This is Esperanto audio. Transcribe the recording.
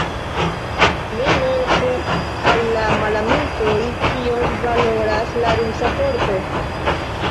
Ni montru al la malamikoj, kion valoras la rusa forto!